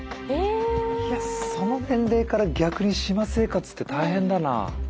いやその年齢から逆に島生活って大変だな。